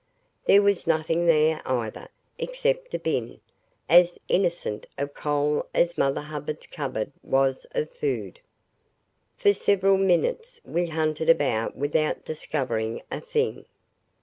There was nothing there, either, except a bin, as innocent of coal as Mother Hubbard's cupboard was of food. For several minutes we hunted about without discovering a thing.